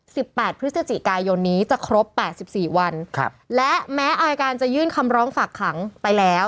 แปดพฤศจิกายนนี้จะครบแปดสิบสี่วันครับและแม้อายการจะยื่นคำร้องฝากขังไปแล้ว